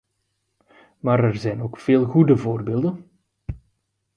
Maar er zijn ook veel goede voorbeelden.